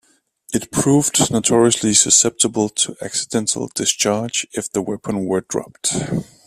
It proved notoriously susceptible to accidental discharge if the weapon were dropped.